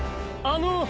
あの。